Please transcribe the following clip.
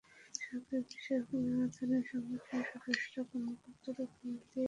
সরকারি-বেসরকারি নানা ধরনের সংগঠনের সদস্যরা, কর্মকর্তারা ফুল দিয়ে শেষ শ্রদ্ধা জানিয়েছেন কবিকে।